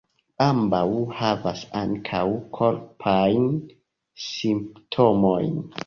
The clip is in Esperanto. Ambaŭ havas ankaŭ korpajn simptomojn.